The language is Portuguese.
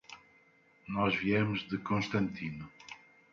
Nós viemos de Constantino.